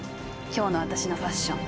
今日の私のファッション。